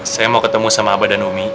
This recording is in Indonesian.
saya mau ketemu sama aba dan umi